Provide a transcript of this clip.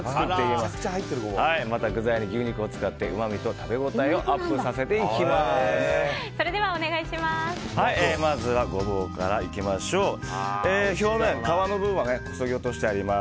また、具材に牛肉を使ってうまみと食べ応えをアップさせていきます。